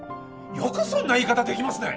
よくそんな言い方できますね！